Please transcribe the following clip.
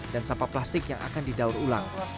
dan sampah plastik yang akan didaur ulang